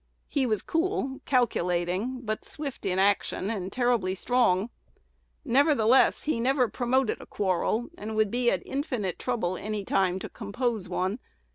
He was cool, calculating, but swift in action, and terribly strong. Nevertheless, he never promoted a quarrel, and would be at infinite trouble any time to compose one.